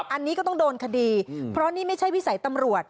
อันนี้ก็ต้องโดนคดีเพราะนี่ไม่ใช่วิสัยตำรวจ